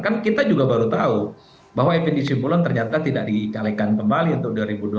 kan kita juga baru tahu bahwa fnd simbolon ternyata tidak dicalekan kembali untuk dua ribu dua puluh